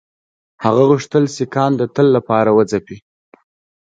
هغه غوښتل سیکهان د تل لپاره وځپي.